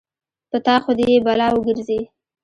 په تا خو دې يې بلا وګرځې.